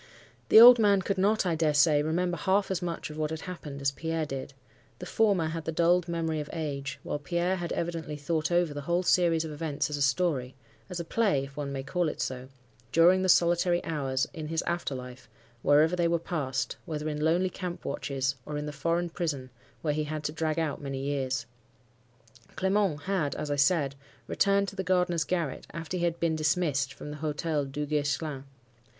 The old man could not, I dare say, remember half as much of what had happened as Pierre did; the former had the dulled memory of age, while Pierre had evidently thought over the whole series of events as a story—as a play, if one may call it so—during the solitary hours in his after life, wherever they were passed, whether in lonely camp watches, or in the foreign prison, where he had to drag out many years. Clement had, as I said, returned to the gardener's garret after he had been dismissed from the Hotel Duguesclin.